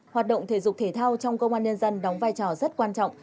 hoạt động thể dục thể thao trong công an nhân dân đóng vai trò rất quan trọng